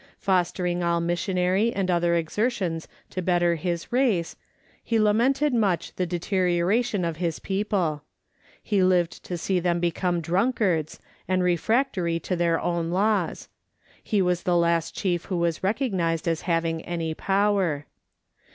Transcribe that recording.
Fostering all missionary and other exertions to better his race, he lamented much the deterioration of his people ; he lived to see them become drunkards, and refractory to their own laws ; he was the last chief who was recognised as having any power.